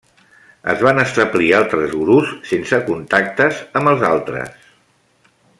Es van establir altres gurus sense contactes amb els altres.